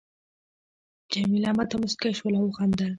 جميله ما ته مسکی شول او وخندل.